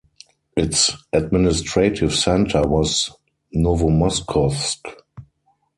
Its administrative centre was Novomoskovsk.